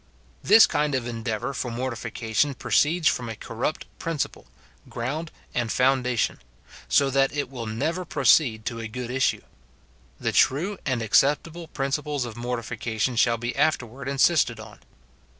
This kind of endeavour for mortification proceeds from a corrupt principle, ground, and foundation ; so that it will never proceed to a good issue. The true and acceptable principles of mortification shall be afterward insisted on.